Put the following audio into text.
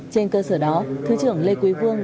trên cơ sở đó thứ trưởng lê quý vương